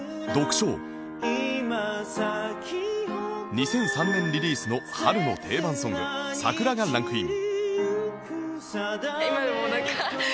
２００３年リリースの春の定番ソング『さくら』がランクイン